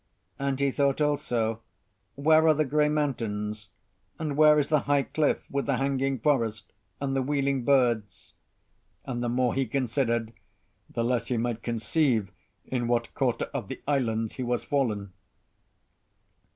And he thought also, "Where are the grey mountains? And where is the high cliff with the hanging forest and the wheeling birds?" And the more he considered, the less he might conceive in what quarter of the islands he was fallen.